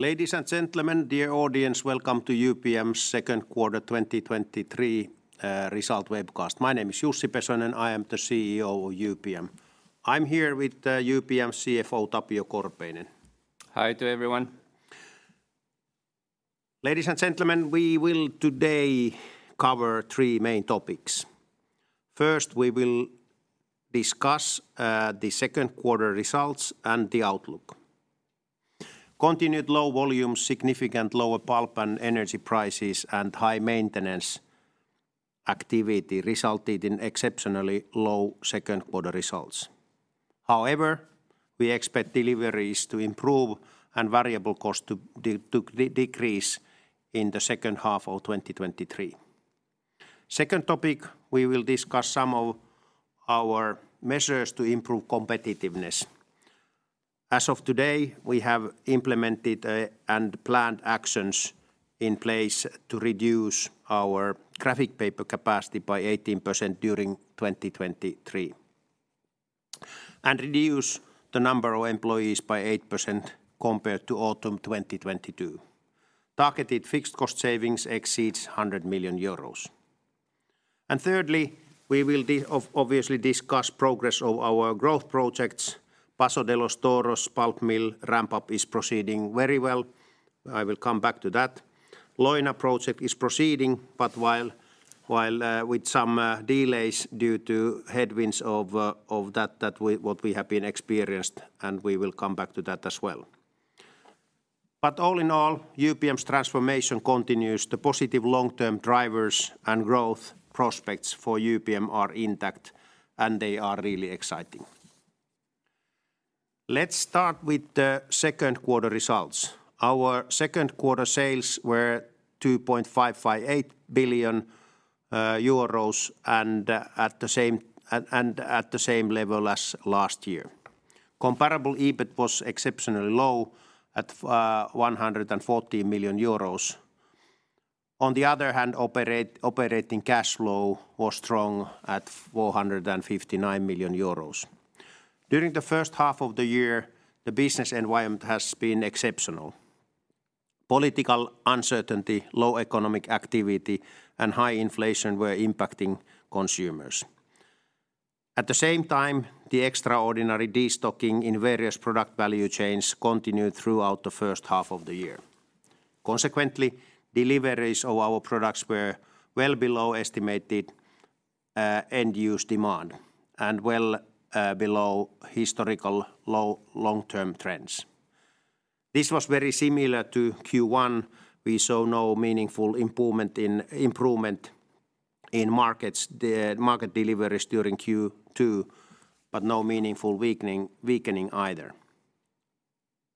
Ladies and gentlemen, dear audience, welcome to UPM's second quarter 2023, result webcast. My name is Jussi Pesonen. I am the CEO of UPM. I'm here with, UPM's CFO, Tapio Korpeinen. Hi to everyone. Ladies and gentlemen, we will today cover three main topics. First, we will discuss the second quarter results and the outlook. Continued low volumes, significant lower pulp and energy prices, and high maintenance activity resulted in exceptionally low second quarter results. However, we expect deliveries to improve and variable cost to decrease in the second half of 2023. Second topic, we will discuss some of our measures to improve competitiveness. As of today, we have implemented and planned actions in place to reduce our graphic paper capacity by 18% during 2023, and reduce the number of employees by 8% compared to autumn 2022. Targeted fixed cost savings exceeds 100 million euros. Thirdly, we will obviously discuss progress of our growth projects. Paso de los Toros pulp mill ramp-up is proceeding very well. I will come back to that. Leuna project is proceeding with some delays due to headwinds of what we have been experienced, and we will come back to that as well. All in all, UPM's transformation continues. The positive long-term drivers and growth prospects for UPM are intact, and they are really exciting. Let's start with the second quarter results. Our second quarter sales were 2.558 billion euros at the same level as last year. Comparable EBIT was exceptionally low at 140 million euros. On the other hand, operating cash flow was strong at 459 million euros. During the first half of the year, the business environment has been exceptional. Political uncertainty, low economic activity, and high inflation were impacting consumers. At the same time, the extraordinary destocking in various product value chains continued throughout the first half of the year. Consequently, deliveries of our products were well below estimated end-use demand and well below historical low long-term trends. This was very similar to Q1. We saw no meaningful improvement in markets, the market deliveries during Q2, but no meaningful weakening either.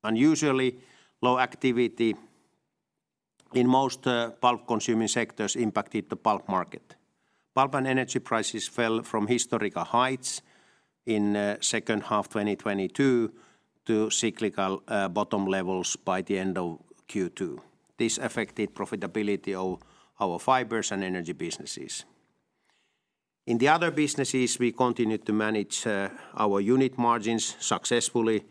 Unusually low activity in most pulp-consuming sectors impacted the pulp market. Pulp and energy prices fell from historical heights in second half 2022 to cyclical bottom levels by the end of Q2. This affected profitability of our fibers and energy businesses. In the other businesses, we continued to manage our unit margins successfully.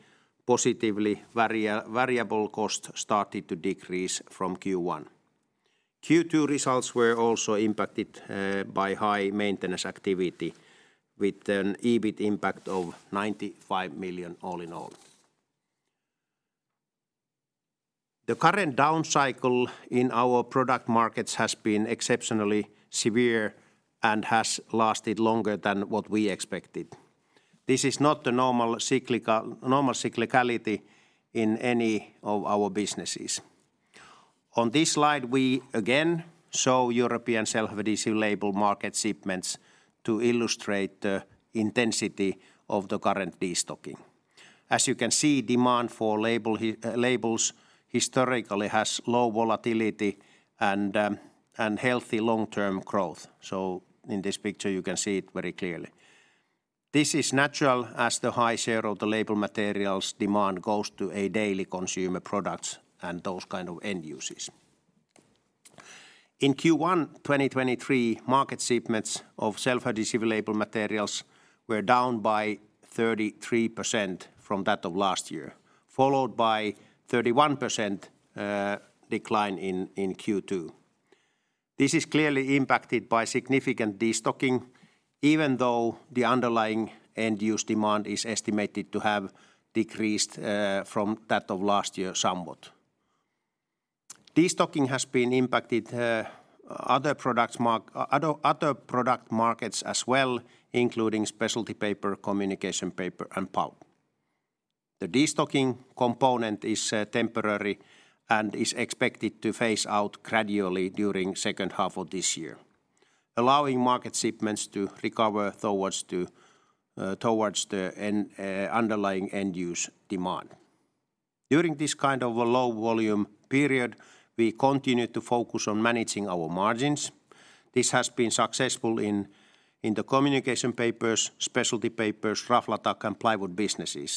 Positively, variable costs started to decrease from Q1. Q2 results were also impacted by high maintenance activity, with an EBIT impact of 95 million all in all. The current down cycle in our product markets has been exceptionally severe and has lasted longer than what we expected. This is not the normal cyclicality in any of our businesses. On this slide, we again show European self-adhesive label market shipments to illustrate the intensity of the current destocking. As you can see, demand for labels historically has low volatility and healthy long-term growth. In this picture, you can see it very clearly. This is natural as the high share of the label materials demand goes to a daily consumer products and those kind of end uses. In Q1 2023, market shipments of self-adhesive label materials were down by 33% from that of last year, followed by 31% decline in Q2. This is clearly impacted by significant destocking, even though the underlying end-use demand is estimated to have decreased from that of last year somewhat. Destocking has been impacted other product markets as well, including Specialty Papers, Communication Papers, and pulp. The destocking component is temporary and is expected to phase out gradually during second half of this year, allowing market shipments to recover towards the end, underlying end-use demand. During this kind of a low-volume period, we continued to focus on managing our margins. This has been successful in the Communication Papers, Specialty Papers, Raflatac, and Plywood businesses,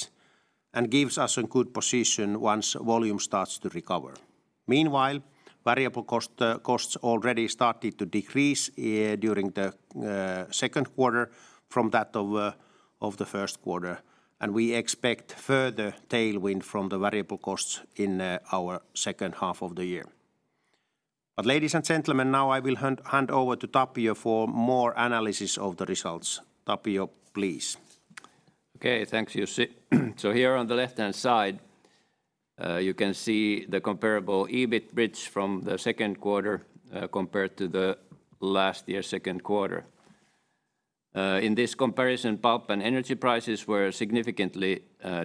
and gives us a good position once volume starts to recover. Meanwhile, variable costs already started to decrease during the second quarter from that of the first quarter. We expect further tailwind from the variable costs in our second half of the year. Ladies and gentlemen, now I will hand over to Tapio for more analysis of the results. Tapio, please. Okay, thanks, Jussi. Here on the left-hand side, you can see the comparable EBIT bridge from the second quarter compared to the last year second quarter. In this comparison, pulp and energy prices were significantly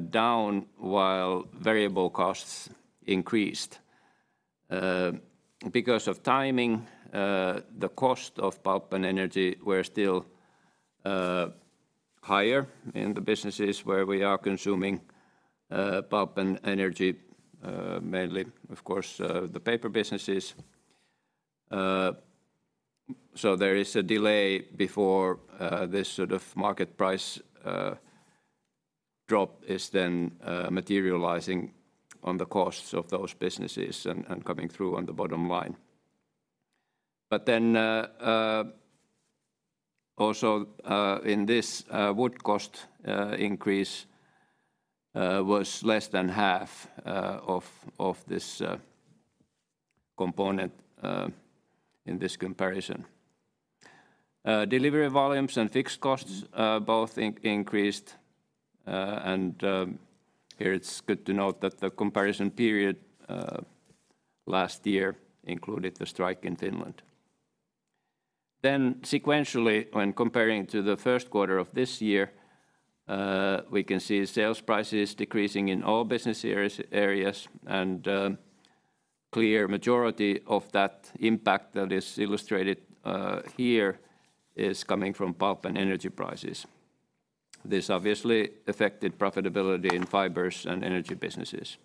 down, while variable costs increased. Because of timing, the cost of pulp and energy were still higher in the businesses where we are consuming pulp and energy, mainly, of course, the paper businesses. There is a delay before this sort of market price drop is then materializing on the costs of those businesses and coming through on the bottom line. Also, in this wood cost increase was less than half of this component in this comparison. Volumes and fixed costs, uh, both increased, uh, and here it's good to note that the comparison period, uh, last year included the strike in Finland. Sequentially, when comparing to the first quarter of this year, we can see sales prices decreasing in all business areas, and a clear majority of that impact that is illustrated here is coming from pulp and energy prices. This obviously affected profitability in fibers and energy businesses.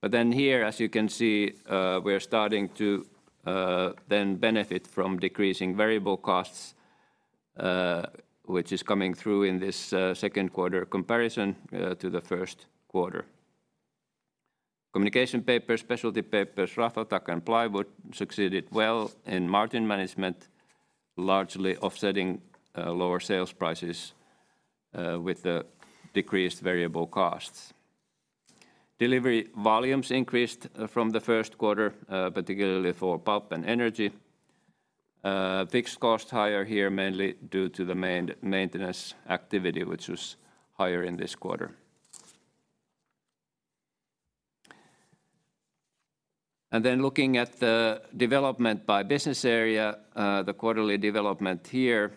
But here, as you can see, we're starting to benefit from decreasing variable costs, which is coming through in this second quarter comparison to the first quarter. UPM Communication Papers, UPM Specialty Papers, UPM Raflatac, and UPM Plywood succeeded well in margin management, largely offsetting lower sales prices with the decreased variable costs. Delivery volumes increased from the first quarter, particularly for pulp and energy. Fixed cost higher here, mainly due to the maintenance activity, which was higher in this quarter. Looking at the development by business area, the quarterly development here,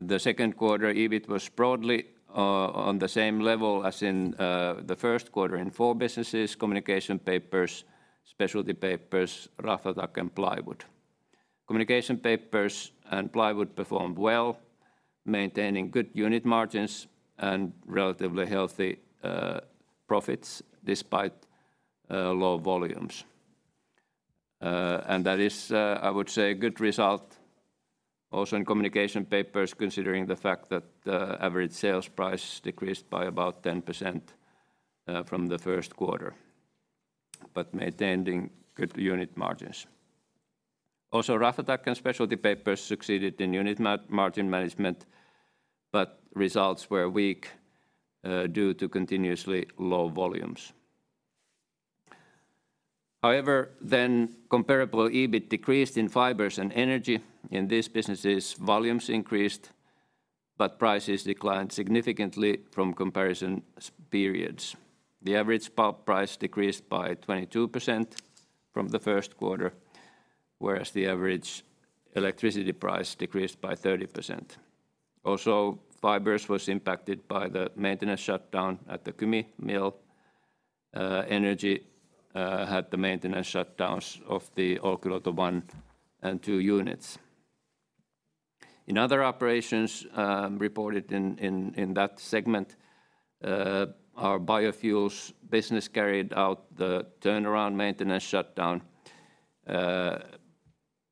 the second quarter, EBIT was broadly on the same level as in the first quarter in four businesses: Communication Papers, Specialty Papers, Raflatac, and Plywood. Communication Papers and Plywood performed well, maintaining good unit margins and relatively healthy profits despite low volumes. That is, I would say, a good result also in Communication Papers, considering the fact that the average sales price decreased by about 10% from the first quarter, but maintaining good unit margins. Raflatac and Specialty Papers succeeded in unit margin management, but results were weak due to continuously low volumes. Comparable EBIT decreased in fibers and energy. In these businesses, volumes increased, but prices declined significantly from comparison periods. The average pulp price decreased by 22% from the 1st quarter, whereas the average electricity price decreased by 30%. Fibers was impacted by the maintenance shutdown at the Kymi mill. Energy had the maintenance shutdowns of the Olkiluoto 1 and 2 units. In other operations, reported in that segment, our biofuels business carried out the turnaround maintenance shutdown,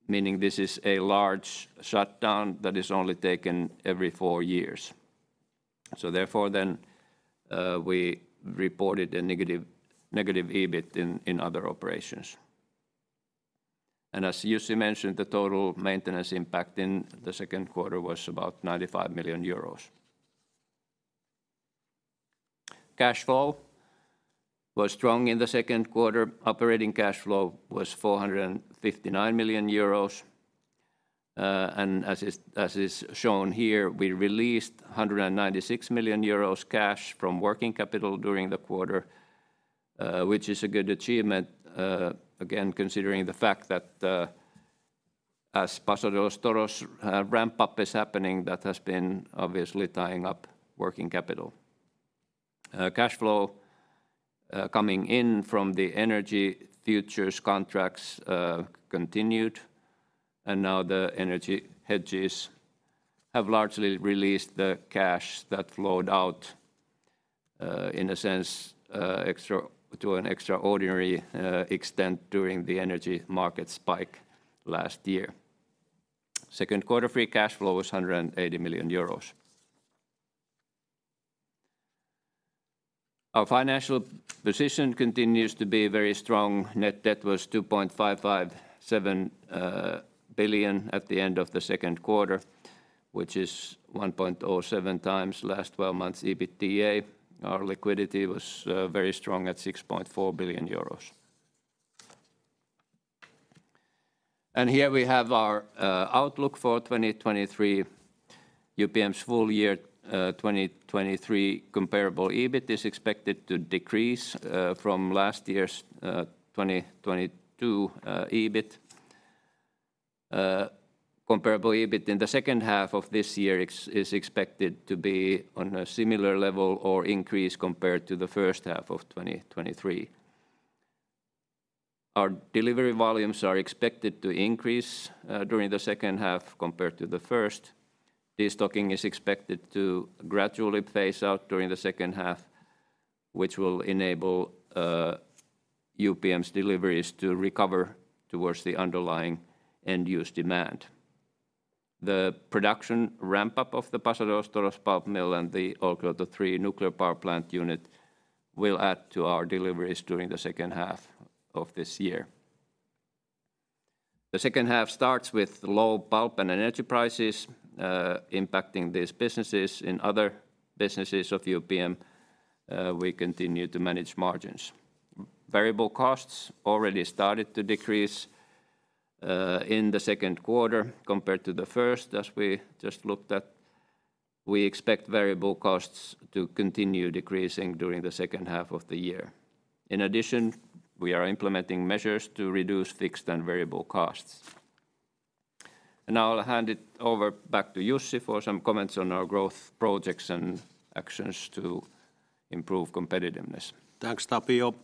meaning this is a large shutdown that is only taken every four years. We reported a negative EBIT in other operations. As Jussi mentioned, the total maintenance impact in the second quarter was about 95 million euros. Cash flow was strong in the second quarter. Operating cash flow was 459 million euros. And as is shown here, we released 196 million euros cash from working capital during the quarter, which is a good achievement, again, considering the fact that as Paso de los Toros ramp-up is happening, that has been obviously tying up working capital. Cash flow coming in from the energy futures contracts continued, and now the energy hedges have largely released the cash that flowed out in a sense, to an extraordinary extent during the energy market spike last year. Second quarter free cash flow was 180 million euros. Our financial position continues to be very strong. Net debt was 2.557 billion at the end of the second quarter, which is 1.07 times last 12 months EBITDA. Our liquidity was very strong at 6.4 billion euros. Here we have our outlook for 2023. UPM's full year 2023 comparable EBIT is expected to decrease from last year's 2022 EBIT. Comparable EBIT in the second half of this year is expected to be on a similar level or increase compared to the first half of 2023. Our delivery volumes are expected to increase during the second half compared to the first. Destocking is expected to gradually phase out during the second half, which will enable UPM's deliveries to recover towards the underlying end-use demand. The production ramp-up of the Paso de los Toros pulp mill and the Olkiluoto 3 nuclear power plant unit will add to our deliveries during the second half of this year. The second half starts with low pulp and energy prices, impacting these businesses. In other businesses of UPM, we continue to manage margins. Variable costs already started to decrease in the second quarter compared to the first, as we just looked at. We expect variable costs to continue decreasing during the second half of the year. In addition, we are implementing measures to reduce fixed and variable costs. Now I'll hand it over back to Jussi for some comments on our growth projects and actions to improve competitiveness. Thanks, Tapio.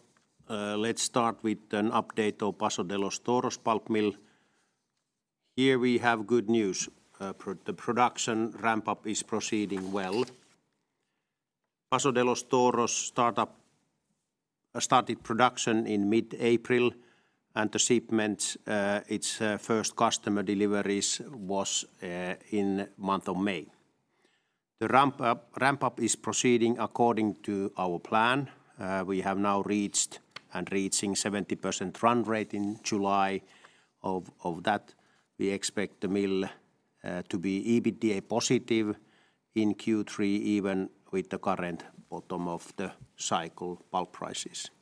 Let's start with an update of Paso de los Toros pulp mill. Here we have good news. The production ramp-up is proceeding well. Paso de los Toros startup started production in mid-April, and the shipments, its first customer deliveries was in month of May. The ramp-up is proceeding according to our plan. We have now reached and reaching 70% run rate in July. Of that, we expect the mill to be EBITDA positive in Q3, even with the current bottom of the cycle pulp prices.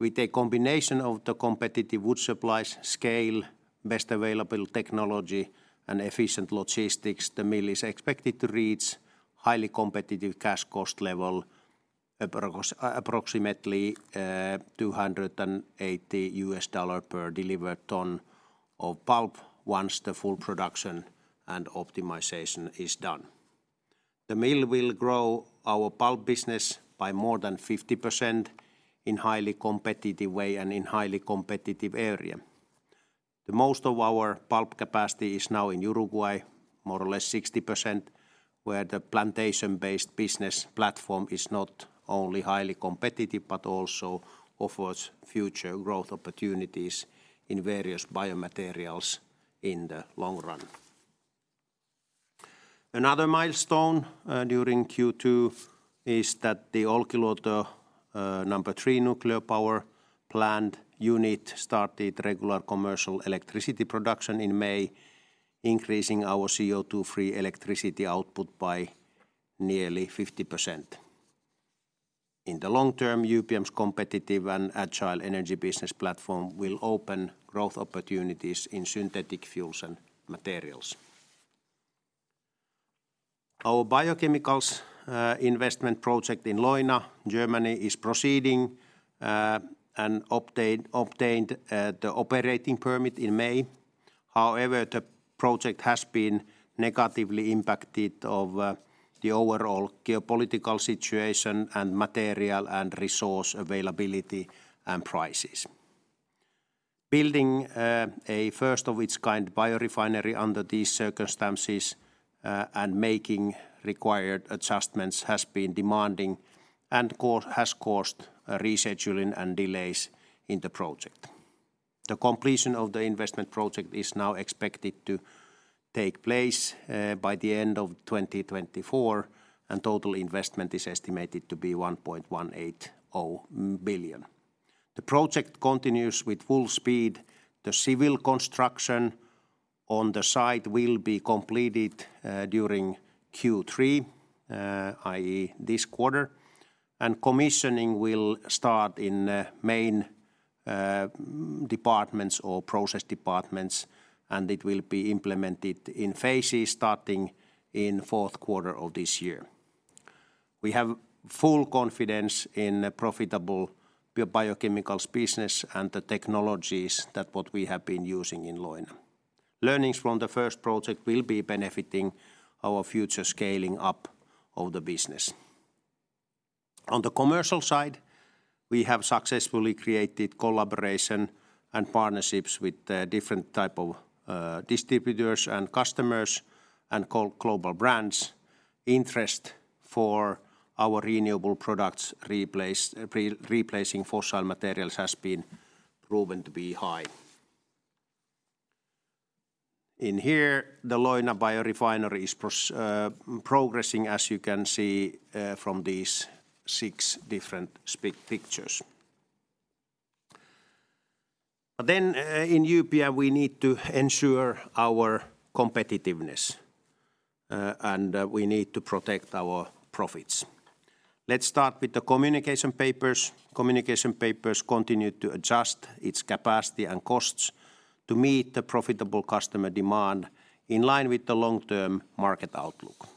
With a combination of the competitive wood supplies, scale, best available technology, and efficient logistics, the mill is expected to reach highly competitive cash cost level, approximately $280 per delivered ton of pulp once the full production and optimization is done. The mill will grow our pulp business by more than 50% in highly competitive way and in highly competitive area. The most of our pulp capacity is now in Uruguay, more or less 60%, where the plantation-based business platform is not only highly competitive, but also offers future growth opportunities in various biomaterials in the long run. Another milestone during Q2 is that the Olkiluoto-3 nuclear power plant unit started regular commercial electricity production in May, increasing our CO2-free electricity output by nearly 50%. In the long term, UPM's competitive and agile energy business platform will open growth opportunities in synthetic fuels and materials. Our biochemicals investment project in Leuna, Germany, is proceeding and obtained the operating permit in May. However, the project has been negatively impacted of the overall geopolitical situation and material and resource availability and prices. Building a first-of-its-kind biorefinery under these circumstances and making required adjustments has been demanding and has caused rescheduling and delays in the project. The completion of the investment project is now expected to take place by the end of 2024, and total investment is estimated to be 1.180 billion. The project continues with full speed. The civil construction on the site will be completed during Q3, i.e., this quarter, and commissioning will start in main departments or process departments, and it will be implemented in phases starting in fourth quarter of this year. We have full confidence in a profitable biochemicals business and the technologies that what we have been using in Leuna. Learnings from the first project will be benefiting our future scaling up of the business. On the commercial side, we have successfully created collaboration and partnerships with different type of distributors and customers and co- global brands. Interest for our renewable products replacing fossil materials has been proven to be high. In here, the Leuna biorefinery is progressing, as you can see from these six different spit pictures. In UPM, we need to ensure our competitiveness and we need to protect our profits. Let's start with the UPM Communication Papers. UPM Communication Papers continue to adjust its capacity and costs to meet the profitable customer demand in line with the long-term market outlook.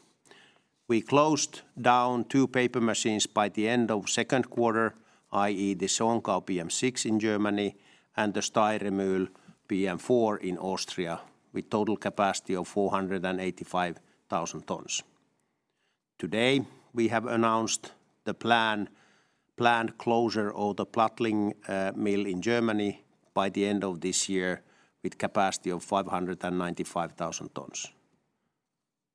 We closed down two paper machines by the end of second quarter, i.e., the Schongau PM6 in Germany and the Steyrermühl PM4 in Austria, with total capacity of 485,000 tons. Today, we have announced the planned closure of the Plattling mill in Germany by the end of this year, with capacity of 595,000 tons.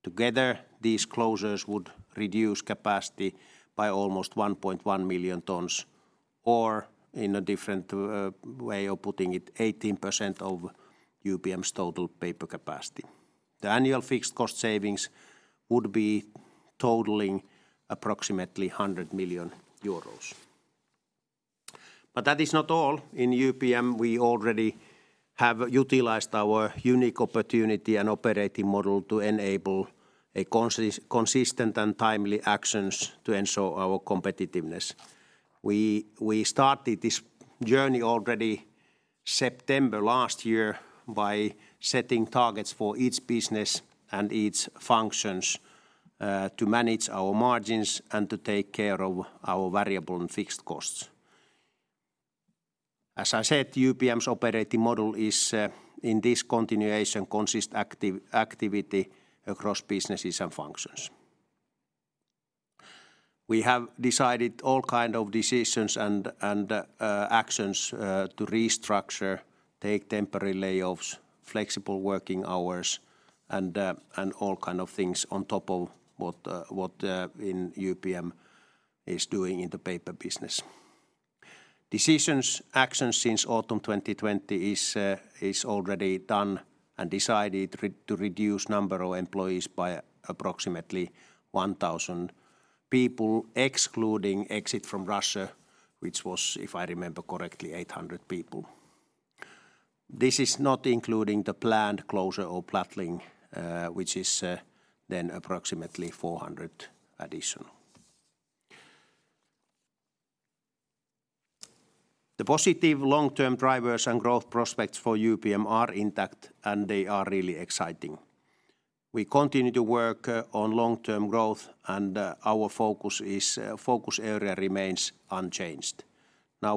Together, these closures would reduce capacity by almost 1.1 million tons, or in a different way of putting it, 18% of UPM's total paper capacity. The annual fixed cost savings would be totaling approximately EUR 100 million. That is not all. In UPM, we already have utilized our unique opportunity and operating model to enable a consistent and timely actions to ensure our competitiveness. We started this journey already September last year by setting targets for each business and each functions to manage our margins and to take care of our variable and fixed costs. As I said, UPM's operating model is in this continuation, consists active activity across businesses and functions. We have decided all kind of decisions and actions to restructure, take temporary layoffs, flexible working hours, and all kind of things on top of what in UPM is doing in the paper business. Decisions, actions since autumn 2020 is already done and decided to reduce number of employees by approximately 1,000 people, excluding exit from Russia, which was, if I remember correctly, 800 people. This is not including the planned closure of Plattling, which is then approximately 400 additional. The positive long-term drivers and growth prospects for UPM are intact. They are really exciting. We continue to work on long-term growth, and our focus is focus area remains unchanged.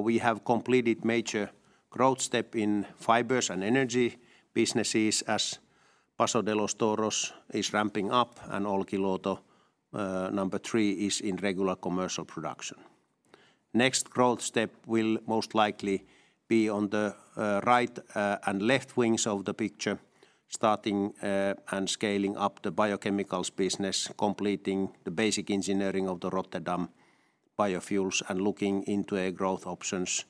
We have completed major growth step in fibers and energy businesses as Paso de los Toros is ramping up and Olkiluoto number three is in regular commercial production. Next growth step will most likely be on the right and left wings of the picture, starting and scaling up the biochemicals business, completing the basic engineering of the Rotterdam biofuels, and looking into a growth options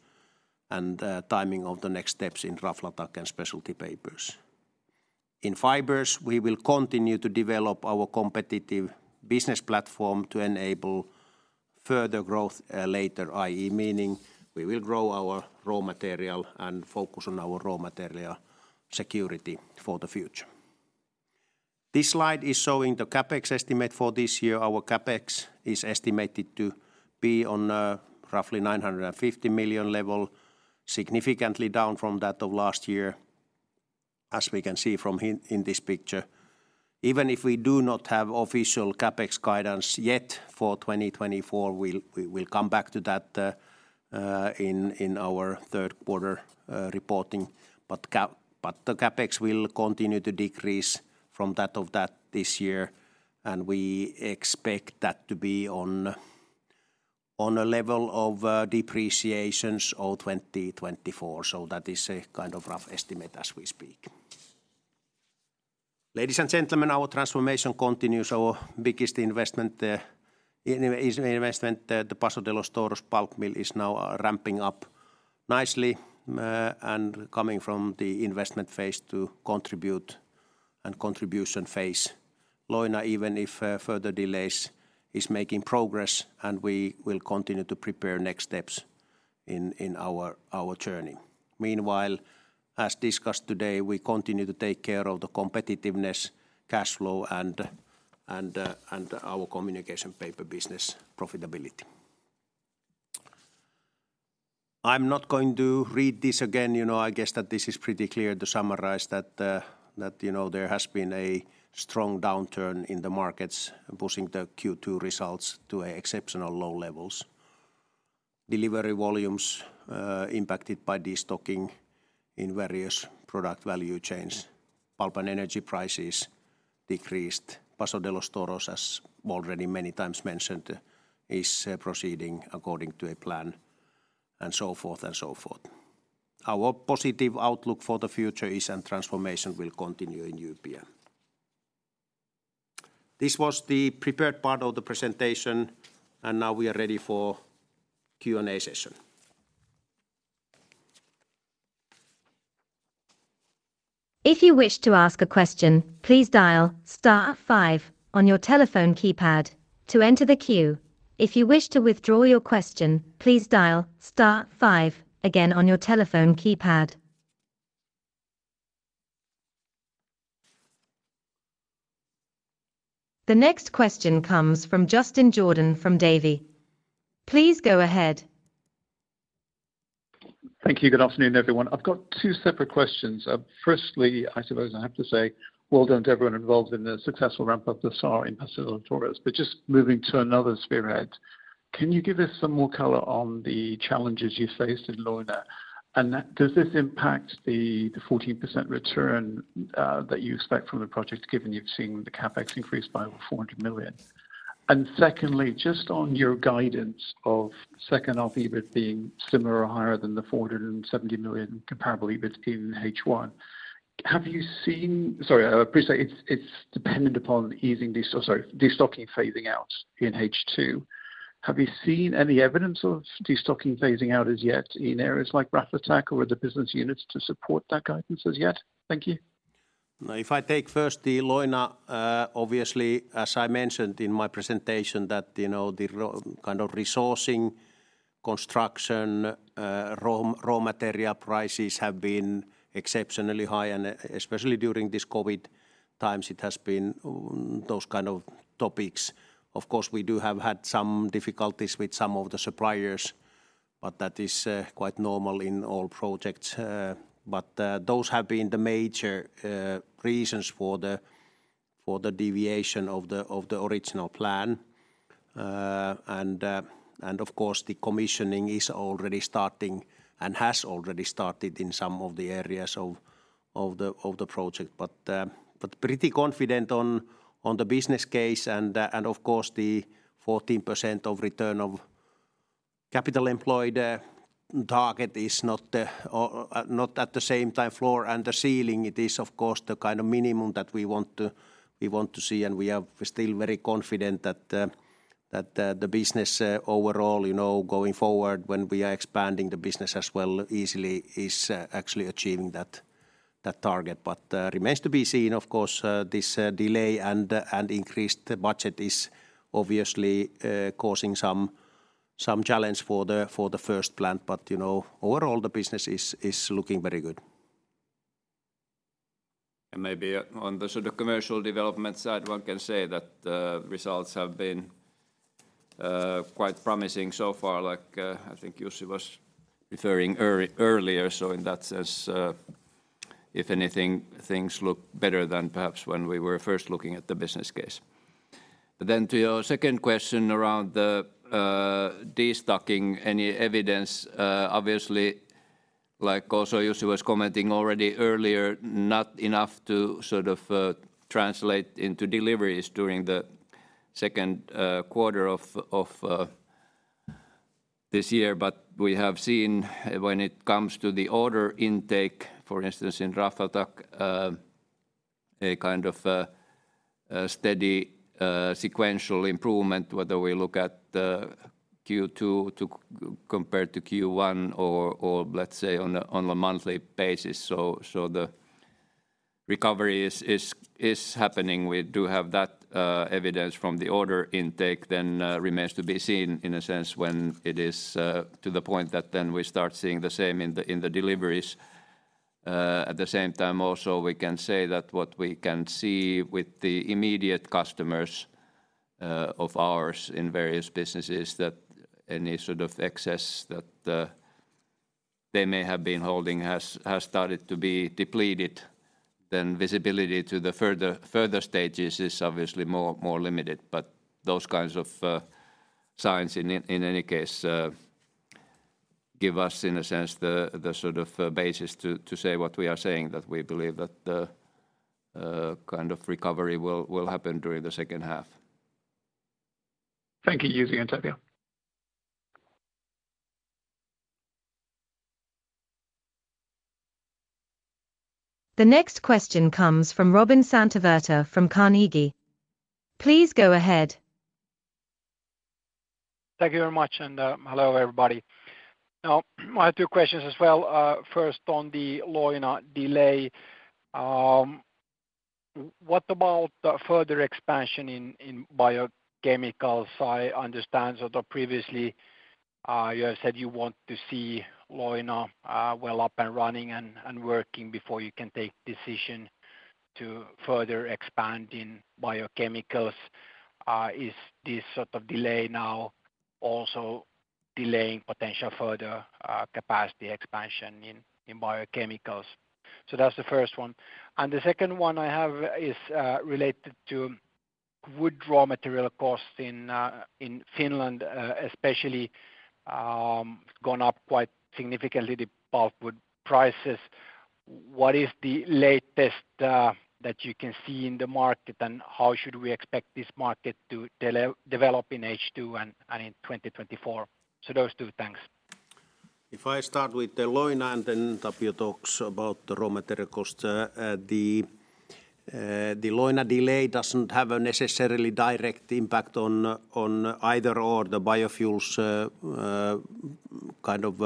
and timing of the next steps in Raflatac and Specialty Papers. In fibers, we will continue to develop our competitive business platform to enable further growth later, i.e., meaning we will grow our raw material and focus on our raw material security for the future. This slide is showing the CapEx estimate for this year. Our CapEx is estimated to be on roughly 950 million level, significantly down from that of last year, as we can see from here in this picture. Even if we do not have official CapEx guidance yet for 2024, We will come back to that in our third quarter reporting. The CapEx will continue to decrease from that of this year, and we expect that to be on a level of depreciations of 2024. That is a kind of rough estimate as we speak. Ladies and gentlemen, our transformation continues. Our biggest investment, in investment, the Paso de los Toros pulp mill, is now ramping up nicely, and coming from the investment phase to contribute and contribution phase. Leuna, even if further delays, is making progress, and we will continue to prepare next steps in our journey. Meanwhile, as discussed today, we continue to take care of the competitiveness, cash flow, and our communication paper business profitability. I'm not going to read this again. You know, I guess that this is pretty clear to summarize that, you know, there has been a strong downturn in the markets, pushing the Q2 results to exceptional low levels. Delivery volumes impacted by destocking in various product value chains. Pulp and energy prices decreased. Paso de los Toros, as already many times mentioned, is proceeding according to a plan, and so forth and so forth. Our positive outlook for the future is, and transformation will continue in UPM. This was the prepared part of the presentation, and now we are ready for Q&A session. If you wish to ask a question, please dial star five on your telephone keypad to enter the queue. If you wish to withdraw your question, please dial star five again on your telephone keypad. The next question comes from Justin Jordan from Davy. Please go ahead. Thank you. Good afternoon, everyone. I've got two separate questions. firstly, I suppose I have to say well done to everyone involved in the successful ramp-up of the Social Action Responsibility in Paso de los Toros. Just moving to another spearhead, can you give us some more color on the challenges you faced in Leuna? does this impact the 14% return that you expect from the project, given you've seen the CapEx increase by over 400 million? Secondly, just on your guidance of second half EBIT being similar or higher than the 470 million comparable EBIT in H1, appreciate it's dependent upon easing destocking phasing out in H2. Have you seen any evidence of destocking phasing out as yet in areas like Raflatac or other business units to support that guidance as yet? Thank you. If I take first the Leuna, obviously, as I mentioned in my presentation, that, you know, the kind of resourcing, construction, raw material prices have been exceptionally high, and especially during this COVID times, it has been those kind of topics. Of course, we do have had some difficulties with some of the suppliers, but that is quite normal in all projects. Those have been the major reasons for the deviation of the original plan. Of course, the commissioning is already starting and has already started in some of the areas of the project. Pretty confident on the business case and of course, the 14% of return of capital employed target is not the not at the same time floor and the ceiling. It is, of course, the kind of minimum that we want to see, and we are still very confident that the business overall, you know, going forward when we are expanding the business as well, easily is actually achieving that target. Remains to be seen, of course, this delay and increased budget is obviously causing some challenge for the first plant. You know, overall, the business is looking very good. Maybe on the sort of commercial development side, one can say that the results have been quite promising so far, like I think Jussi was referring earlier. In that sense, if anything, things look better than perhaps when we were first looking at the business case. To your second question around the destocking, any evidence, obviously, like also Jussi was commenting already earlier, not enough to translate into deliveries during the second quarter of this year. We have seen when it comes to the order intake, for instance, in Raflatac, a kind of a steady sequential improvement, whether we look at the Q2 compared to Q1 or let's say, on a monthly basis. The recovery is happening. We do have that evidence from the order intake, then remains to be seen in a sense, when it is to the point that then we start seeing the same in the deliveries. At the same time also, we can say that what we can see with the immediate customers of ours in various businesses, that any sort of excess that they may have been holding has started to be depleted. Visibility to the further stages is obviously more limited. Those kinds of signs in any case give us, in a sense, the sort of basis to say what we are saying, that we believe that the kind of recovery will happen during the second half. Thank you, Jussi and Tapio. The next question comes from Robin Santavirta from Carnegie. Please go ahead. Thank you very much, and hello, everybody. Now, I have two questions as well. First, on the Leuna delay, what about the further expansion in biochemicals? I understand sort of previously, you said you want to see Leuna, well up and running and working before you can take decision to further expand in biochemicals. Is this sort of delay now also delaying potential further capacity expansion in biochemicals? That's the first one. The second one I have is related to wood raw material costs in Finland, especially, gone up quite significantly, the pulpwood prices. What is the latest that you can see in the market, and how should we expect this market to develop in H2 and in 2024? Those 2 things.... If I start with the Leuna and then Tapio talks about the raw material cost, the Leuna delay doesn't have a necessarily direct impact on either or the biofuels, kind of,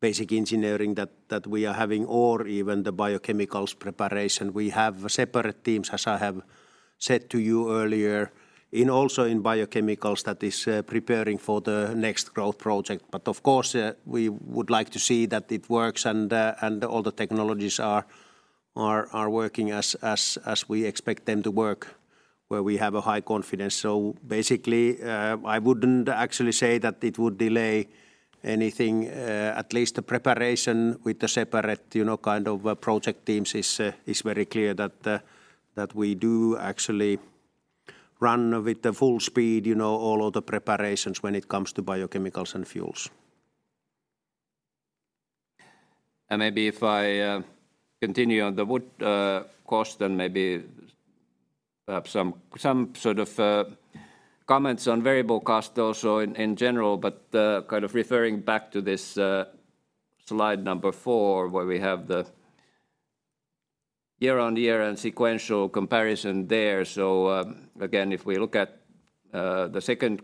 basic engineering that we are having or even the biochemicals preparation. We have separate teams, as I have said to you earlier, in also in biochemicals that is preparing for the next growth project. Of course, we would like to see that it works and all the technologies are working as we expect them to work, where we have a high confidence. Basically, I wouldn't actually say that it would delay anything, at least the preparation with the separate, you know, kind of project teams is very clear that we do actually run with the full speed, you know, all of the preparations when it comes to biochemicals and fuels. Maybe if I continue on the wood cost, and maybe perhaps some sort of comments on variable cost also in general, but kind of referring back to this slide number four, where we have the year-on-year and sequential comparison there. Again, if we look at the second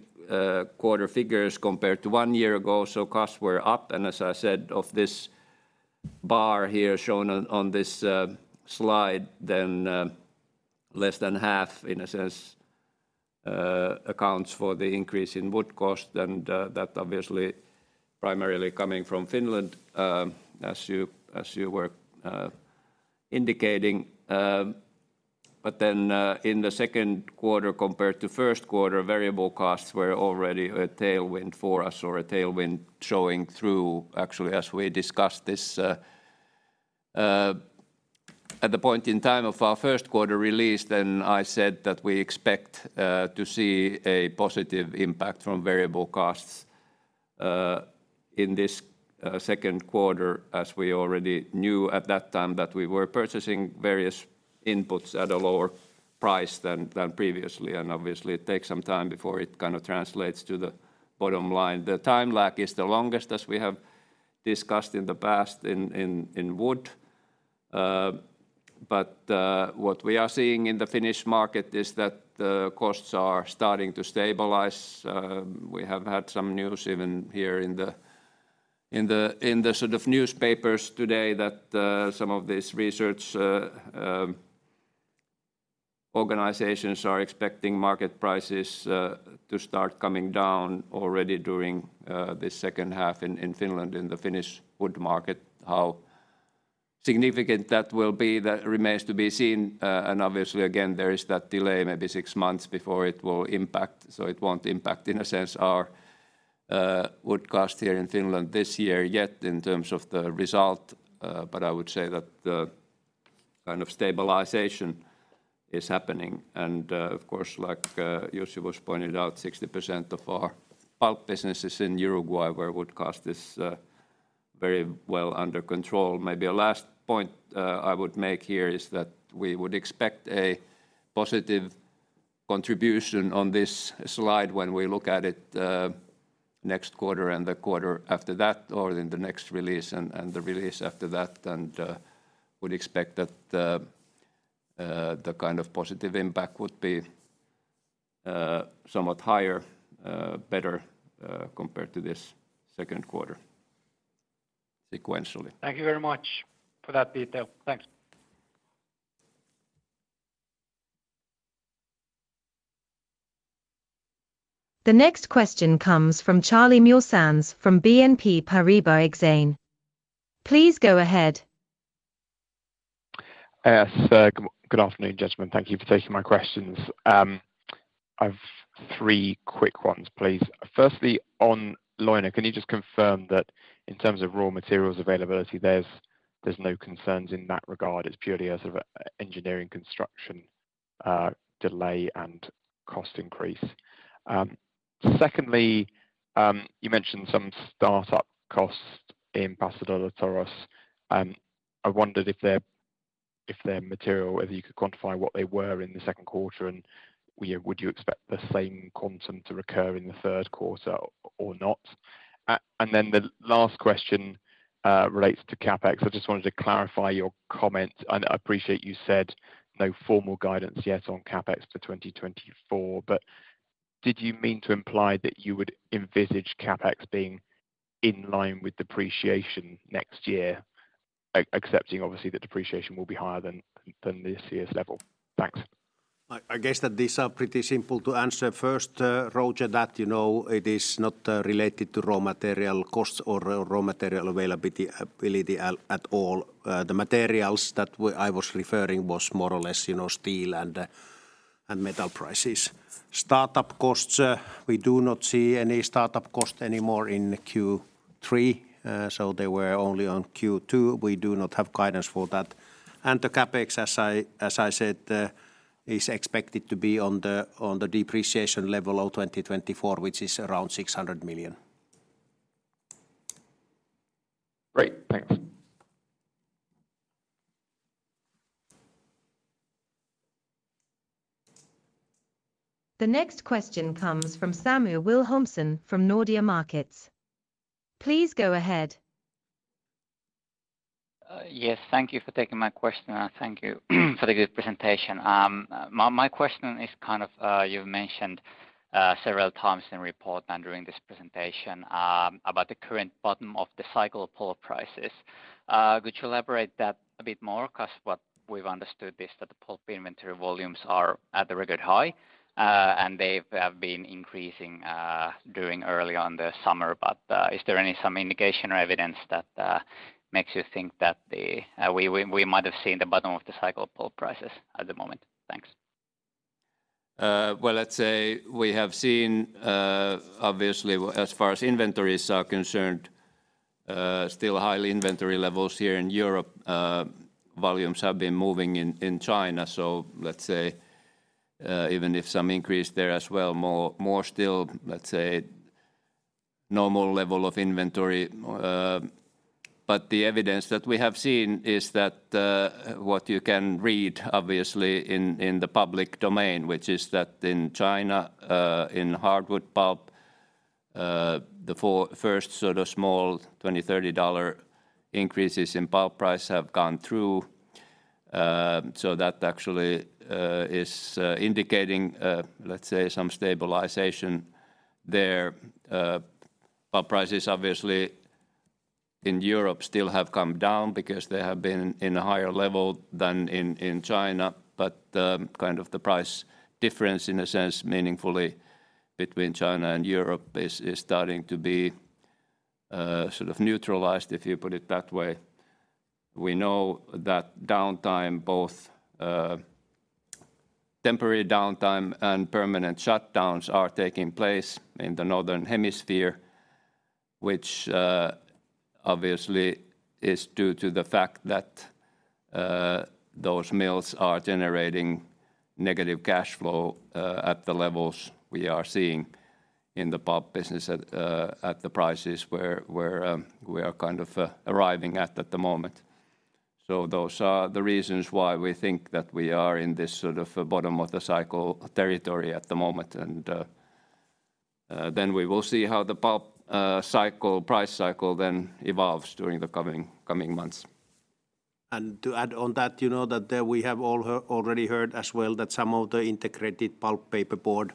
quarter figures compared to one year ago, costs were up. As I said, of this bar here shown on this slide, then less than half, in a sense, accounts for the increase in wood cost, and that obviously primarily coming from Finland, as you were indicating. In the second quarter compared to first quarter, variable costs were already a tailwind for us or a tailwind showing through. Actually, as we discussed this, at the point in time of our first quarter release, then I said that we expect to see a positive impact from variable costs, in this second quarter, as we already knew at that time that we were purchasing various inputs at a lower price than previously. Obviously, it takes some time before it kind of translates to the bottom line. The time lag is the longest, as we have discussed in the past, in wood. What we are seeing in the Finnish market is that the costs are starting to stabilize. We have had some news even here in the sort of newspapers today that some of these research organizations are expecting market prices to start coming down already during this second half in Finland, in the Finnish wood market. How significant that will be, that remains to be seen. Obviously, again, there is that delay, maybe six months before it will impact. It won't impact, in a sense, our wood cost here in Finland this year, yet in terms of the result, I would say that the kind of stabilization is happening. Of course, like Jussi was pointing out, 60% of our pulp business is in Uruguay, where wood cost is very well under control. Maybe a last point, I would make here is that we would expect a positive contribution on this slide when we look at it, next quarter and the quarter after that, or in the next release and the release after that, and would expect that the kind of positive impact would be, somewhat higher, better, compared to this second quarter sequentially. Thank you very much for that detail. Thanks. The next question comes from Charlie Muir-Sands from BNP Paribas Exane. Please go ahead. Yes. Good afternoon, gentlemen. Thank you for taking my questions. I've three quick ones, please. Firstly, on Leuna, can you just confirm that in terms of raw materials availability, there's no concerns in that regard, it's purely a sort of engineering construction delay and cost increase? Secondly, you mentioned some startup costs in Paso de los Toros, and I wondered if they're material, whether you could quantify what they were in the second quarter, and would you expect the same quantum to recur in the third quarter or not? The last question relates to CapEx. I just wanted to clarify your comment. I appreciate you said no formal guidance yet on CapEx for 2024. Did you mean to imply that you would envisage CapEx being in line with depreciation next year, accepting, obviously, that depreciation will be higher than this year's level? Thanks. I guess that these are pretty simple to answer. First, Charlie, that you know, it is not related to raw material costs or raw material availability at all. The materials that I was referring was more or less, you know, steel and metal prices. Startup costs, we do not see any startup cost anymore in Q3, so they were only on Q2. We do not have guidance for that. The CapEx, as I said, is expected to be on the depreciation level of 2024, which is around 600 million. Great. Thanks. The next question comes from Samu Wilhelmsson from Nordea Markets. Please go ahead. Yes, thank you for taking my question, and thank you for the good presentation. My, my question is kind of, you've mentioned, several times in report and during this presentation, about the current bottom of the cycle pulp prices. Could you elaborate that a bit more? 'Cause what we've understood is that the pulp inventory volumes are at the record high, and they've been increasing, during early on the summer. Is there any some indication or evidence that makes you think that the we might have seen the bottom of the cycle pulp prices at the moment? Thanks. Well, let's say we have seen, obviously, as far as inventories are concerned, still high inventory levels here in Europe. Volumes have been moving in China, so let's say, even if some increase there as well, more still, let's say, normal level of inventory. The evidence that we have seen is that, what you can read, obviously, in the public domain, which is that in China, in hardwood pulp, the four first sort of small $20, $30 increases in pulp price have gone through. That actually is indicating, let's say, some stabilization there. Pulp prices, obviously, in Europe still have come down because they have been in a higher level than in China, but the kind of the price difference, in a sense, meaningfully between China and Europe is starting to be sort of neutralized, if you put it that way. We know that downtime, both, temporary downtime and permanent shutdowns, are taking place in the northern hemisphere, which, obviously is due to the fact that, those mills are generating negative cash flow, at the levels we are seeing in the pulp business at the prices where, we are kind of, arriving at at the moment. Those are the reasons why we think that we are in this sort of a bottom-of-the-cycle territory at the moment, and then we will see how the pulp cycle, price cycle then evolves during the coming months. To add on that, you know, that we have already heard as well that some of the integrated pulp paperboard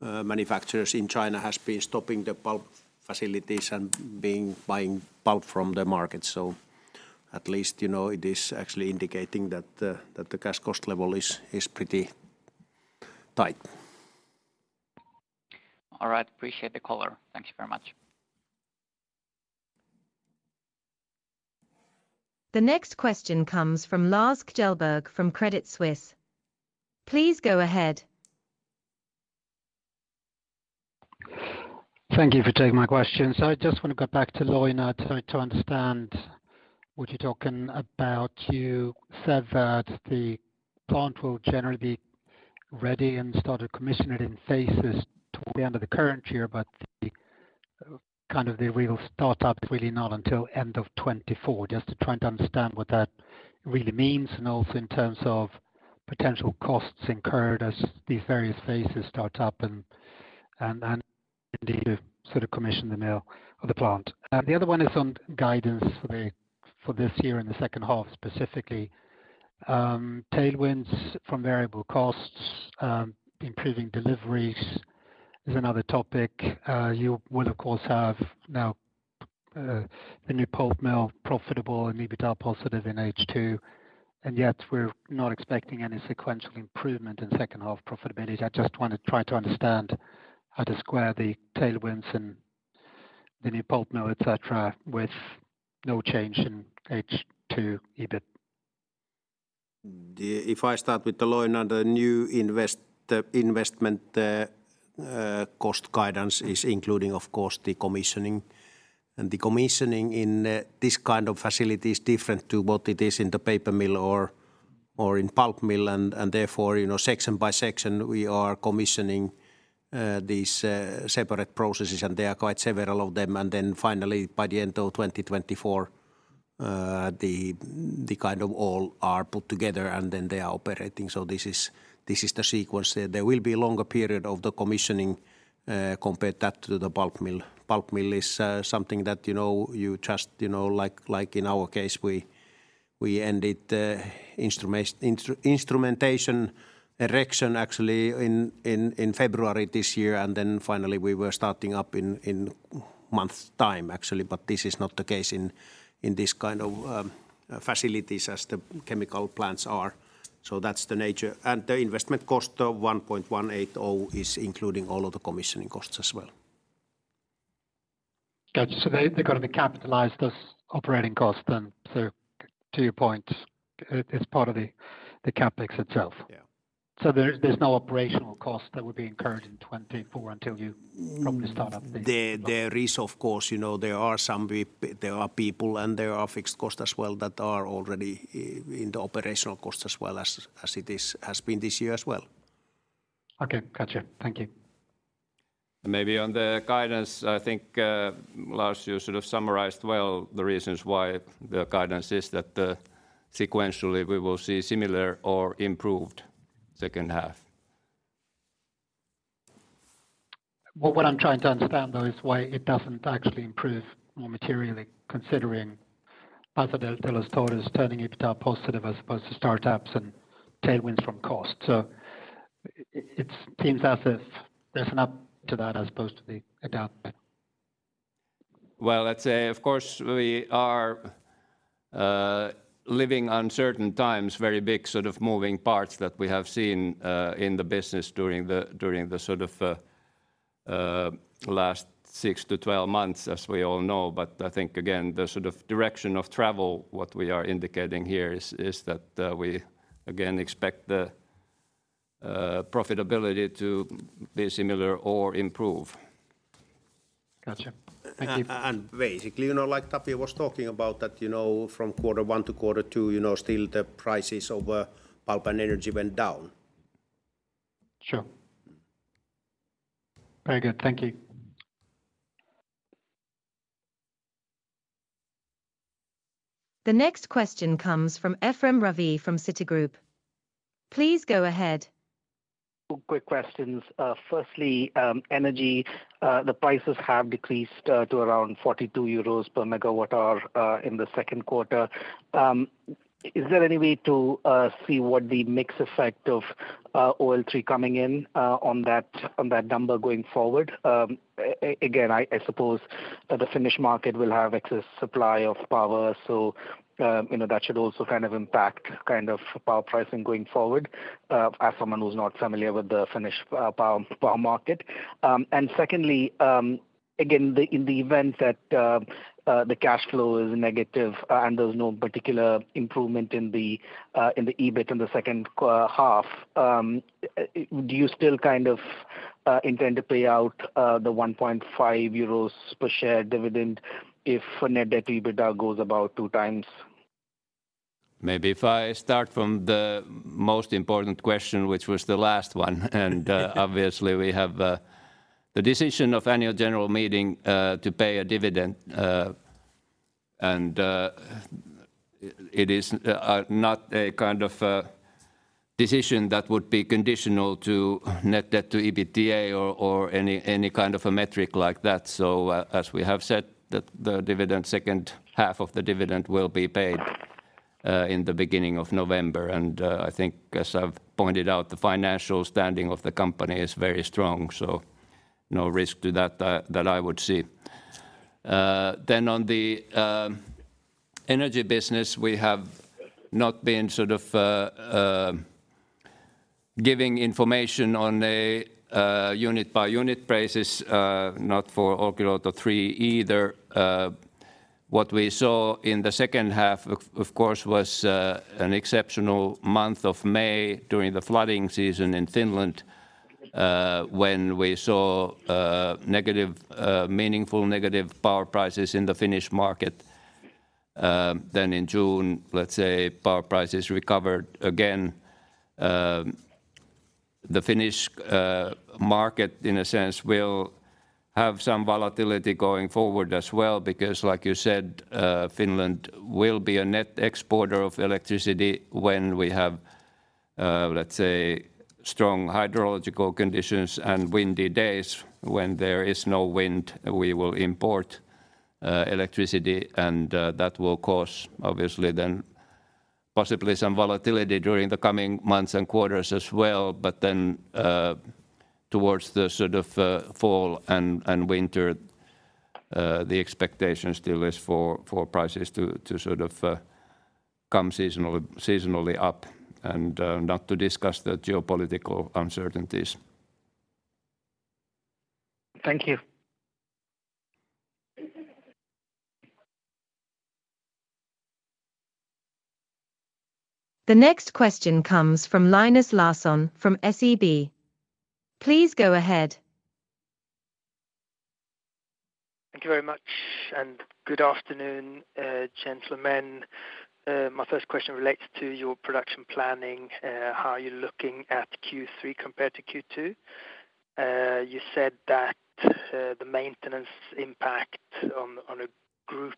manufacturers in China has been stopping the pulp facilities and being buying pulp from the market. At least, you know, it is actually indicating that the cash cost level is pretty tight. All right. Appreciate the call. Thank you very much. The next question comes from Lars Kjellberg from Credit Suisse. Please go ahead. Thank you for taking my question. I just want to go back to Leuna trying to understand what you're talking about. You said that the plant will generally be ready and start commissioning in phases toward the end of the current year, but kind of the real startup is really not until end of 2024. Just to try and understand what that really means, and then indeed, to sort of commission the mill or the plant. The other one is on guidance for this year and the second half, specifically. Tailwinds from variable costs, improving deliveries is another topic. You would, of course, have now the new pulp mill profitable and EBITDA positive in H2, and yet we're not expecting any sequential improvement in second half profitability. I just want to try to understand how to square the tailwinds and the new pulp mill, et cetera, with no change in H2 EBIT. If I start with the Leuna, the new investment cost guidance is including, of course, the commissioning. The commissioning in this kind of facility is different to what it is in the paper mill or in pulp mill, and therefore, you know, section by section, we are commissioning these separate processes, and there are quite several of them. Then finally, by the end of 2024, the kind of all are put together, and then they are operating. This is the sequence there. There will be a longer period of the commissioning, compared that to the pulp mill. Pulp mill is, you know, something that, you know, you just, like in our case, we ended the instrumentation erection actually in February this year. Finally we were starting up in month time, actually. This is not the case in this kind of facilities as the chemical plants are. That's the nature, and the investment cost of 1.180 is including all of the commissioning costs as well. Got you. They're gonna be capitalized as operating costs then. To your point, it's part of the CapEx itself? Yeah. There's no operational cost that would be incurred in 2024 until you probably start up. There is, of course, you know, there are people, and there are fixed costs as well that are already in the operational costs as well as it is, has been this year as well. Okay. Gotcha. Thank you.... Maybe on the guidance, I think, Lars, you sort of summarized well the reasons why the guidance is that, sequentially we will see similar or improved second half. Well, what I'm trying to understand, though, is why it doesn't actually improve more materially considering as Paso de los Toros told us, turning EBITDA positive as opposed to startups and tailwinds from cost. It's seems as if there's an up to that as opposed to the down bet. Well, let's say, of course, we are living uncertain times, very big sort of moving parts that we have seen in the business during the sort of last six to 12 months, as we all know. I think, again, the sort of direction of travel, what we are indicating here is that, we again expect the profitability to be similar or improve. Gotcha. Thank you. Basically, you know, like Tapio was talking about that, you know, from quarter one to quarter two, you know, still the prices of pulp and energy went down. Sure. Very good. Thank you. The next question comes from Ephrem Ravi from Citigroup. Please go ahead. Two quick questions. Firstly, energy, the prices have decreased to around 42 euros per megawatt hour in the second quarter. Is there any way to see what the mix effect of OL3 coming in on that number going forward? Again, I suppose that the Finnish market will have excess supply of power, so, you know, that should also kind of impact power pricing going forward as someone who's not familiar with the Finnish power market. Secondly, again, in the event that the cash flow is negative, and there's no particular improvement in the in the EBIT in the second half, do you still kind of, intend to pay out the 1.5 euros per share dividend if net debt to EBITDA goes about 2 times? Maybe if I start from the most important question, which was the last one. Obviously, we have the decision of annual general meeting to pay a dividend, and it is not a kind of decision that would be conditional to net debt to EBITDA or any kind of a metric like that. As we have said, the dividend, second half of the dividend will be paid in the beginning of November. I think as I've pointed out, the financial standing of the company is very strong, so no risk to that that I would see. Then on the energy business, we have not been sort of giving information on a unit-by-unit basis, not for OL3 either. What we saw in the second half, of course, was an exceptional month of May during the flooding season in Finland, when we saw negative meaningful negative power prices in the Finnish market. In June, let's say, power prices recovered again. The Finnish market, in a sense, will have some volatility going forward as well, because like you said, Finland will be a net exporter of electricity when we have, let's say, strong hydrological conditions and windy days. When there is no wind, we will import electricity, and that will cause obviously then possibly some volatility during the coming months and quarters as well. Towards the sort of, fall and winter, the expectation still is for prices to sort of, come seasonally up and, not to discuss the geopolitical uncertainties. Thank you. The next question comes from Linus Larsson from SEB. Please go ahead. Thank you very much. Good afternoon, gentlemen. My first question relates to your production planning. How are you looking at Q3 compared to Q2? You said that the maintenance impact on a group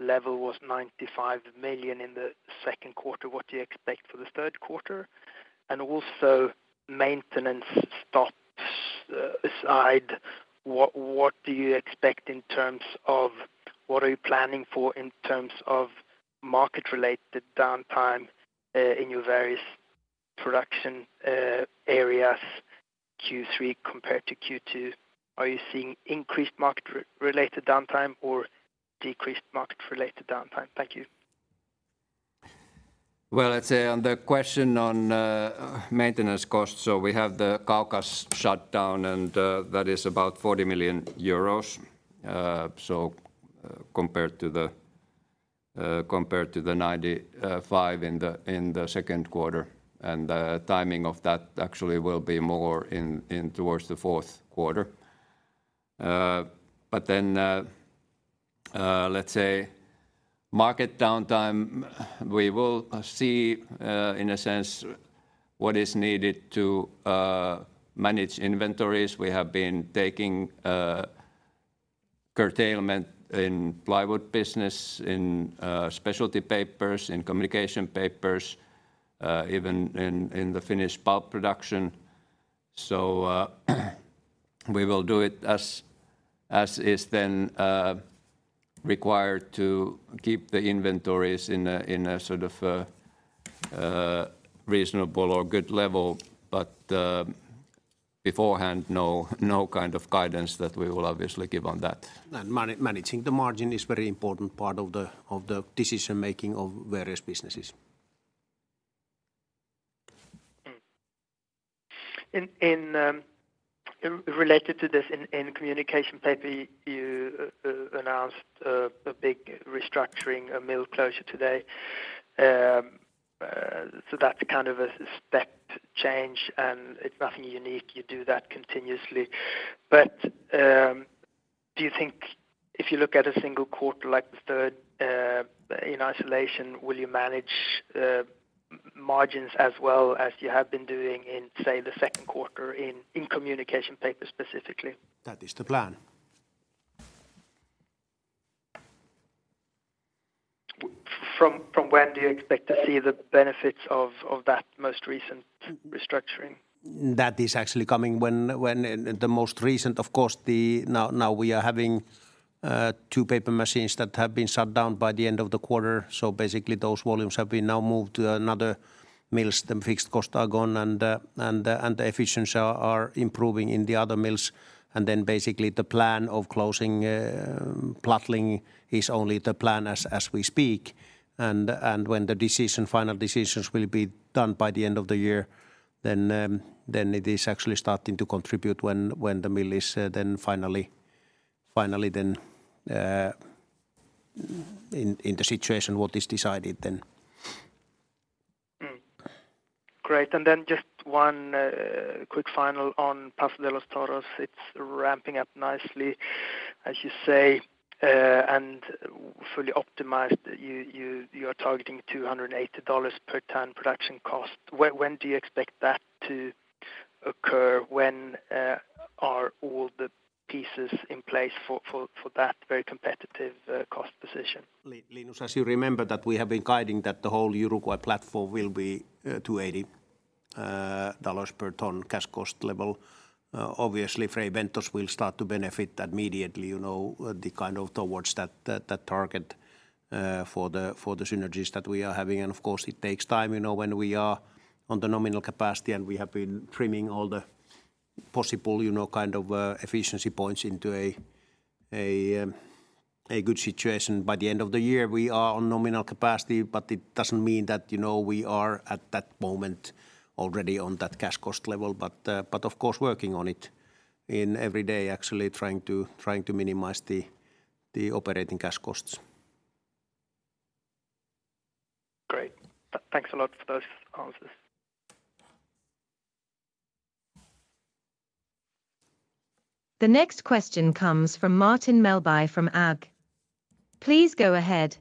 level was 95 million in the second quarter. What do you expect for the third quarter? Also, maintenance stops aside, what do you expect in terms of... What are you planning for in terms of market-related downtime in your various production areas, Q3 compared to Q2? Are you seeing increased market related downtime or decreased market-related downtime? Thank you. Let's say on the question on maintenance costs, we have the Kaukas shutdown, that is about EUR 40 million. Compared to the 95 in the 2Q, the timing of that actually will be more in towards the 4Q. Let's say, market downtime, we will see in a sense what is needed to manage inventories. We have been taking curtailment in plywood business, in specialty papers, in communication papers, even in the Finnish pulp production. We will do it as as is then required to keep the inventories in a in a sort of reasonable or good level. Beforehand, no kind of guidance that we will obviously give on that. Managing the margin is very important part of the decision-making of various businesses. In related to this, in Communication Papers, you announced a big restructuring, a mill closure today. That's kind of a step change, and it's nothing unique, you do that continuously. Do you think if you look at a single quarter like the third in isolation, will you manage margins as well as you have been doing in, say, the second quarter in Communication Papers specifically? That is the plan. From when do you expect to see the benefits of that most recent restructuring? That is actually coming when. The most recent, of course, now we are having two paper machines that have been shut down by the end of the quarter. Basically, those volumes have been now moved to another mills. The fixed costs are gone, and the efficiency are improving in the other mills. Then basically, the plan of closing Plattling is only the plan as we speak. When the decision, final decisions will be done by the end of the year, then it is actually starting to contribute when the mill is then finally then in the situation what is decided then. Great. Just one quick final on Paso de los Toros. It's ramping up nicely, as you say, and fully optimized. You are targeting $280 per ton production cost. When, when do you expect that to occur? When are all the pieces in place for that very competitive cost position? Linus, as you remember, that we have been guiding that the whole Uruguay platform will be 280 USD per ton cash cost level. Obviously, Fray Bentos will start to benefit immediately, you know, the kind of towards that, that target for the synergies that we are having. Of course, it takes time, you know, when we are on the nominal capacity, and we have been trimming all the possible, you know, kind of efficiency points into a good situation. By the end of the year, we are on nominal capacity, but it doesn't mean that, you know, we are at that moment already on that cash cost level. Of course, working on it in every day, actually trying to minimize the operating cash costs. Great. Thanks a lot for those answers. The next question comes from Martin Melbye from ABG. Please go ahead.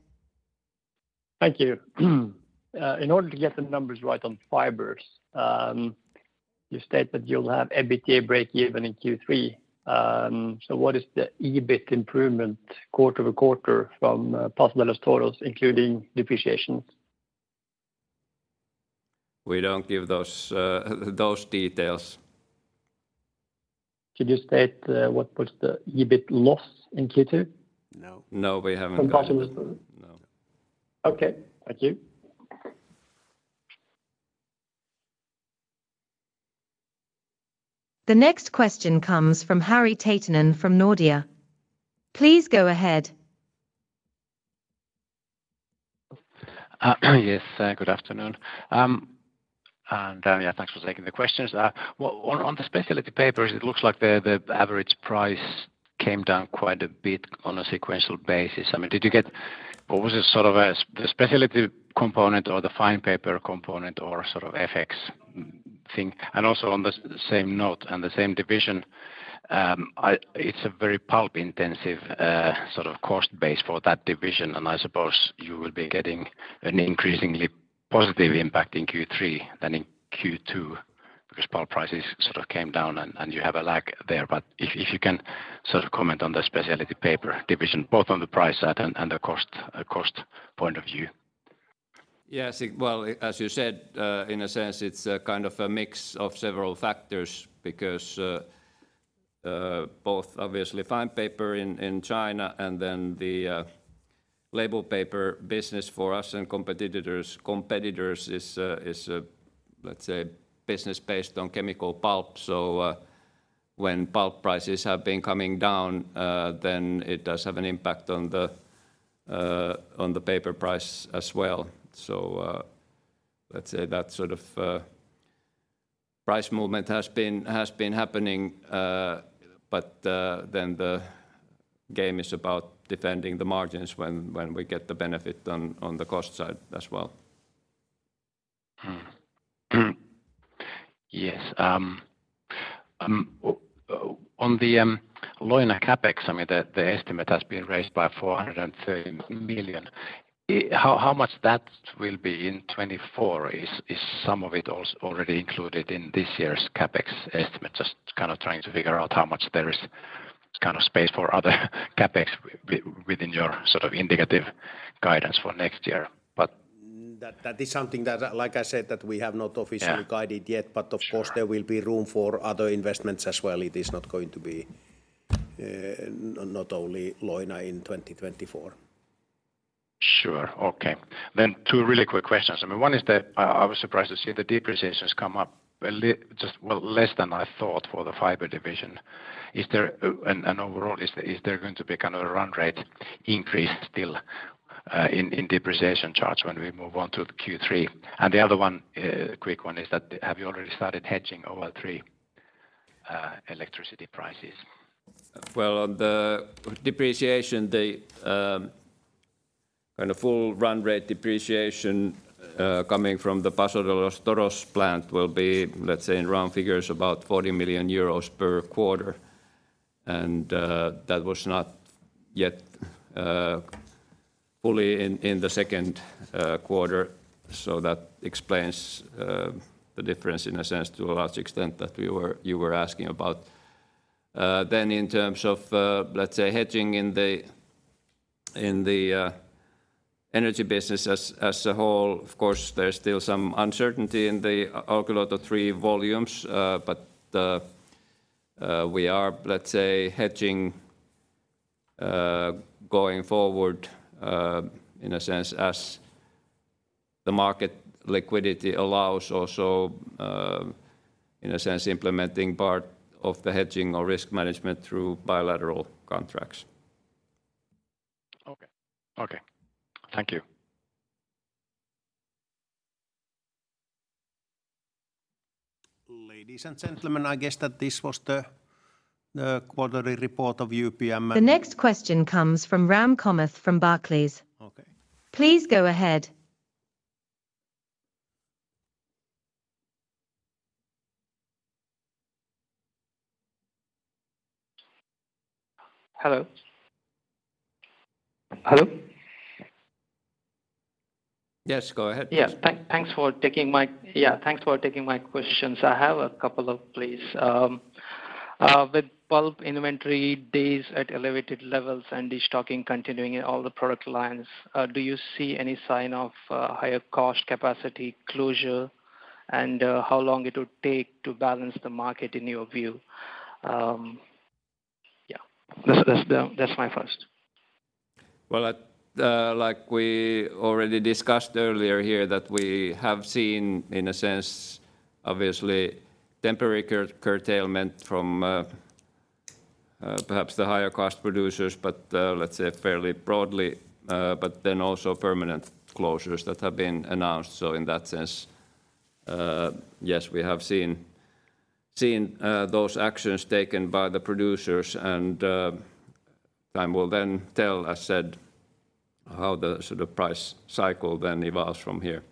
Thank you. In order to get the numbers right on fibers, you stated that you'll have EBITDA breakeven in Q3. What is the EBIT improvement quarter-over-quarter from Paso de los Toros, including depreciation? We don't give those details. Could you state, what was the EBIT loss in Q2? No. No, we haven't. From Paso de los Toros? No. Okay. Thank you. The next question comes from Harri Taittonen from Nordea. Please go ahead. Yes, good afternoon. Yeah, thanks for taking the questions. Well, on the specialty papers, it looks like the average price came down quite a bit on a sequential basis. I mean, did you get? What was it sort of the specialty component or the fine paper component or sort of FX thing? Also on the same note and the same division, it's a very pulp-intensive sort of cost base for that division, and I suppose you will be getting an increasingly positive impact in Q3 than in Q2, because pulp prices sort of came down and you have a lag there. If you can sort of comment on the specialty paper division, both on the price side and the cost point of view. Yes, well, as you said, in a sense, it's a kind of a mix of several factors because both obviously fine paper in China and then the label paper business for us and competitors is let's say, business based on chemical pulp. When pulp prices have been coming down, then it does have an impact on the paper price as well. Let's say that sort of price movement has been happening, but then the game is about defending the margins when we get the benefit on the cost side as well. Yes, on the Leuna CapEx, I mean, the estimate has been raised by 430 million. How much that will be in 2024? Is some of it already included in this year's CapEx estimate? Just kind of trying to figure out how much there is kind of space for other CapEx within your sort of indicative guidance for next year. That is something that, like I said, that we have not officially- Yeah... guided yet. Of course, there will be room for other investments as well. It is not going to be not only Leuna in 2024. Sure. Okay. Two really quick questions. I mean, one is that I was surprised to see the depreciations come up just, well, less than I thought for the fiber division. Is there and overall, is there, is there going to be kind of a run rate increase still in depreciation charge when we move on to Q3? The other one, quick one is that have you already started hedging OL3 electricity prices? Well, on the depreciation, the kind of full run rate depreciation coming from the Paso de los Toros plant will be, let's say, in round figures, about 40 million euros per quarter. That was not yet fully in the second quarter, so that explains the difference in a sense to a large extent that you were asking about. In terms of, let's say, hedging in the energy business as a whole, of course, there's still some uncertainty in the Olkiluoto 3 volumes. We are, let's say, hedging going forward in a sense, as the market liquidity allows also in a sense, implementing part of the hedging or risk management through bilateral contracts. Okay. Okay. Thank you. Ladies and gentlemen, I guess that this was the quarterly report of UPM. The next question comes from Ramachandra Kamath from Barclays. Okay. Please go ahead. Hello? Hello? Yes, go ahead. Thanks for taking my questions. I have a couple of, please. With pulp inventory days at elevated levels and destocking continuing in all the product lines, do you see any sign of higher cost capacity closure? How long it would take to balance the market in your view? Yeah, that's my first. Well, like we already discussed earlier here, that we have seen, in a sense, obviously temporary curtailment from perhaps the higher cost producers, but, let's say fairly broadly, but then also permanent closures that have been announced. In that sense, yes, we have seen those actions taken by the producers, and time will then tell, as said, how the sort of price cycle then evolves from here.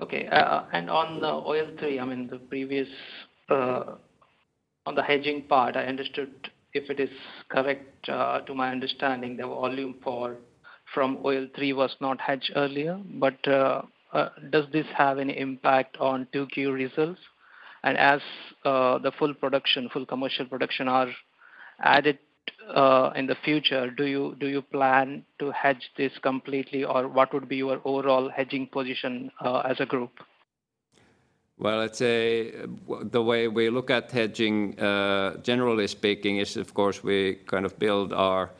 Okay. and on the OL3, I mean, the previous on the hedging part, I understood if it is correct, to my understanding, the volume for from OL3 was not hedged earlier, but does this have any impact on 2Q results? As the full production, full commercial production are added in the future, do you plan to hedge this completely, or what would be your overall hedging position, as a group? Well, I'd say the way we look at hedging, generally speaking, is, of course, we kind of build our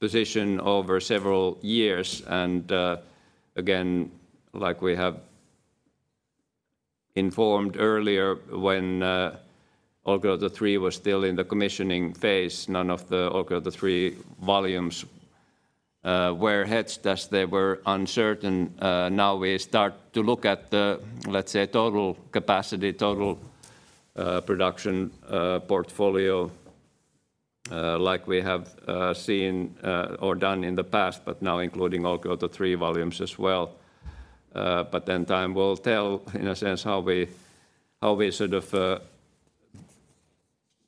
position over several years. Again, like we have informed earlier, when Olkiluoto-3 was still in the commissioning phase, none of the Olkiluoto-3 volumes were hedged as they were uncertain. Now we start to look at the, let's say, total capacity, total production portfolio, like we have seen or done in the past, but now including Olkiluoto-3 volumes as well. Time will tell, in a sense, how we sort of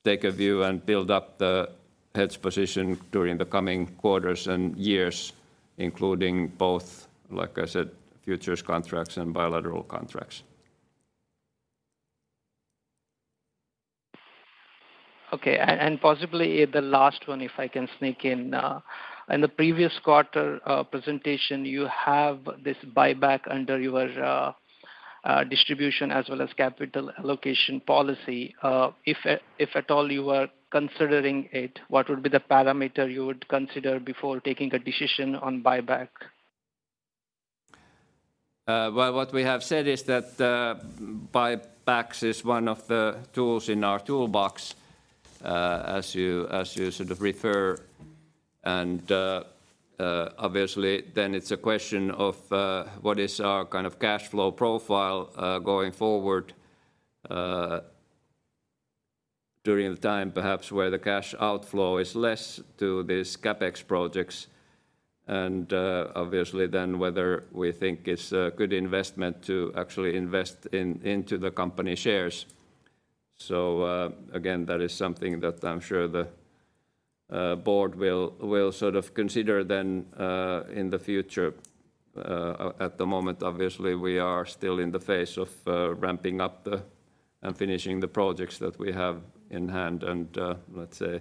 take a view and build up the hedge position during the coming quarters and years, including both, like I said, futures contracts and bilateral contracts. Okay. Possibly the last one, if I can sneak in. In the previous quarter, presentation, you have this buyback under your distribution as well as capital allocation policy. If at all you are considering it, what would be the parameter you would consider before taking a decision on buyback? Well, what we have said is that buybacks is one of the tools in our toolbox, as you sort of refer. Obviously, then it's a question of what is our kind of cash flow profile going forward during the time perhaps where the cash outflow is less to these CapEx projects, and obviously, then whether we think it's a good investment to actually invest into the company shares. Again, that is something that I'm sure the board will sort of consider then in the future. At the moment, obviously, we are still in the phase of ramping up the, and finishing the projects that we have in hand, and let's say,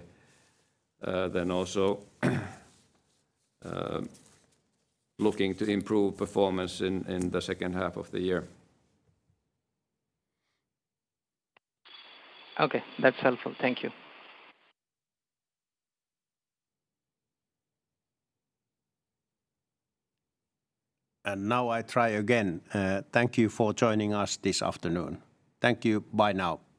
then also, looking to improve performance in the second half of the year. Okay, that's helpful. Thank you. Now I try again. Thank you for joining us this afternoon. Thank you. Bye now.